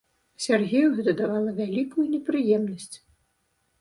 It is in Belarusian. Сяргею гэта давала вялікую непрыемнасць.